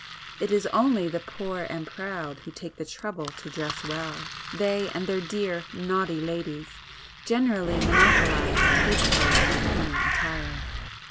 It is only the poor and proud who take the trouble to dress well,—they and the dear 'naughty' ladies, generally monopolize tasteful and becoming attire.